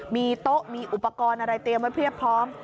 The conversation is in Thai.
มีโต๊ะมีอุปกรณ์อะไรเตรียมไว้เพียบพร้อม